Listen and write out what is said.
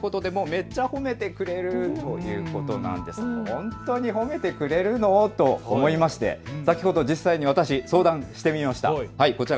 本当に褒めてくれるの？と思いまして先ほど実際に相談してみました。